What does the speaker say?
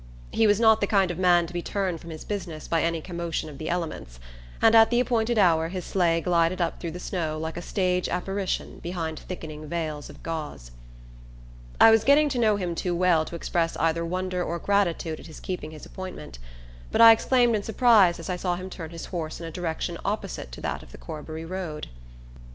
He was not the kind of man to be turned from his business by any commotion of the elements; and at the appointed hour his sleigh glided up through the snow like a stage apparition behind thickening veils of gauze. I was getting to know him too well to express either wonder or gratitude at his keeping his appointment; but I exclaimed in surprise as I saw him turn his horse in a direction opposite to that of the Corbury road.